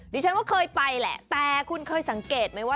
ดิฉันว่าเคยไปแหละแต่คุณเคยสังเกตไหมว่า